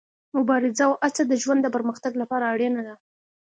مبارزه او هڅه د ژوند د پرمختګ لپاره اړینه ده.